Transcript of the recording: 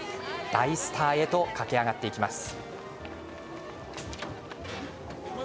大スターへと駆け上がっていきます。